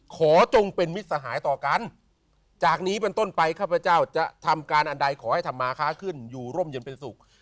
จงเป็นมิตรสหายต่อกันจากนี้เป็นต้นไปข้าพเจ้าจะทำการอันใดขอให้ธรรมาค้าขึ้นอยู่ร่มเย็นเป็นสุข